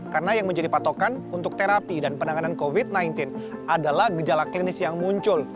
karena yang menjadi patokan untuk terapi dan penanganan covid sembilan belas adalah gejala klinis yang muncul